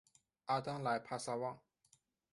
阿当莱帕萨旺。